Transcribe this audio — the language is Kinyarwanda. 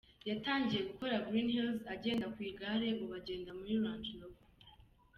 Yatangiye gukora Green Hills agenda ku igare ubu agenda muri Range Rover.